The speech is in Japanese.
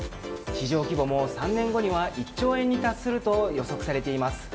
市場規模も３年後には１兆円に達すると予測されています。